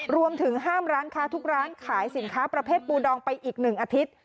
รวมถึงห้ามร้านค้าทุกร้านขายสินค้าประเภทปูดองไปอีก๑อาทิตย์